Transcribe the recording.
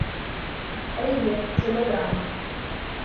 Эйе, телеграмма.